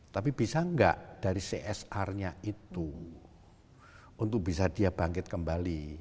tapi bisa enggak dari csrnya itu untuk bisa dia bangkit kembali